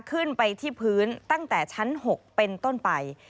ขึ้นไปที่พื้นตั้งแต่ชั้น๖เป็นต้นไป